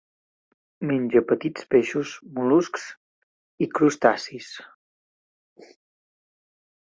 Menja petits peixos, mol·luscs i crustacis.